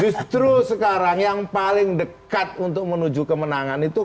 justru sekarang yang paling dekat untuk menuju kemenangan itu